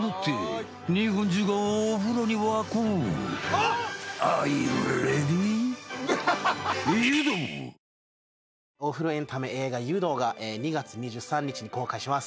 ［さらに］お風呂エンタメ映画『湯道』が２月２３日に公開します。